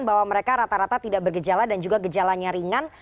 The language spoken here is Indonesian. bahwa mereka rata rata tidak bergejala dan juga gejalanya ringan